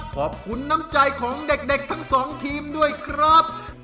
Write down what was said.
ขอบคุณน้ำใจของเด็กทั้งสองทีมด้วยครับ